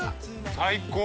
最高。